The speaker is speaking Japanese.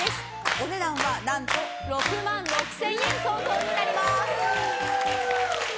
お値段は何と６万６０００円相当になります。